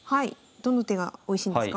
どの手がおいしいんですか？